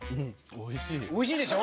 おいしいでしょ？